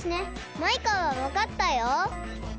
マイカはわかったよ。